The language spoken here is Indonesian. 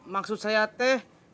maksud saya teh